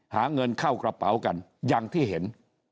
หาเงินเข้ากระเป๋ากันอย่างที่เห็น